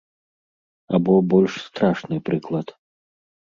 Або больш страшны прыклад.